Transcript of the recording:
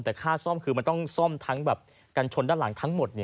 แต่ค่าซ่อมคือมันต้องซ่อมทั้งแบบกันชนด้านหลังทั้งหมด